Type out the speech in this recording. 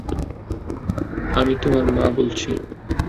আমি তোমার মা বলছি।